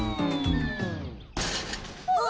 うわ！